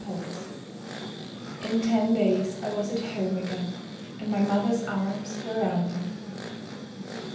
PAUL'S. In ten days I was at home again and my mother's arms were round me.